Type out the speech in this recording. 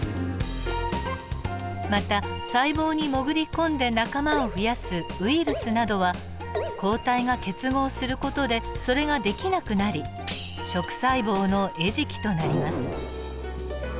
また細胞に潜り込んで仲間を増やすウイルスなどは抗体が結合する事でそれができなくなり食細胞の餌食となります。